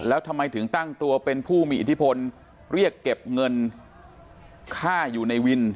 แล้วทำไมถึงตั้งตัวเป็นผู้มีอิทธิพลเรียกเก็บเงินค่าอยู่ในวิน